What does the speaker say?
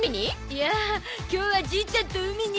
いやあ今日はじいちゃんと海に